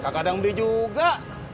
kakak dang beli juga